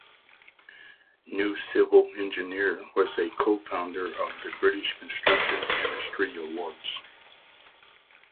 "New Civil Engineer" was a co-founder of the British Construction Industry Awards.